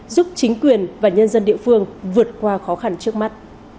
giúp chính quyền và nhân dân địa phương vượt qua khó khăn trước mắt